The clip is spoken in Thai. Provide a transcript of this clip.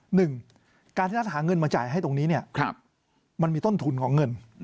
หนึ่งการที่รัฐหาเงินมาจ่ายให้ตรงนี้เนี่ยมันมีต้นทุนของเงิน